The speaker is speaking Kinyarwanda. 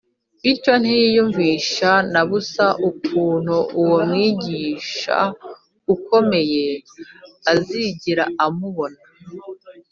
bityo ntiyiyumvishe na busa ukuntu uwo mwigisha ukomeye azigera amubona